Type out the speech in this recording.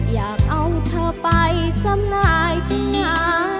อยากเอาเธอไปจำหน่ายจริงนะ